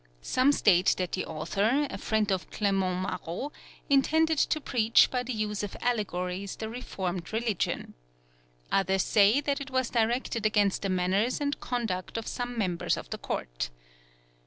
Some state that the author, a friend of Clement Marot, intended to preach by the use of allegories the Reformed religion. Others say that it was directed against the manners and conduct of some members of the Court.